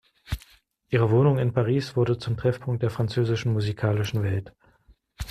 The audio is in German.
Ihre Wohnung in Paris wurde zum Treffpunkt der französischen musikalischen Welt.